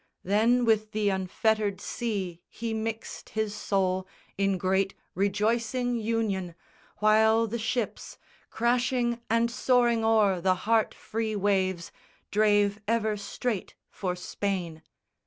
Then with the unfettered sea he mixed his soul In great rejoicing union, while the ships Crashing and soaring o'er the heart free waves Drave ever straight for Spain.